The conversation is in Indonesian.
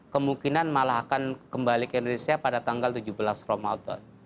kemungkinan malah akan kembali ke indonesia pada tanggal tujuh belas ramadan